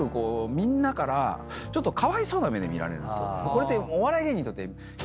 これって。